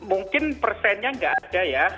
mungkin persennya nggak ada ya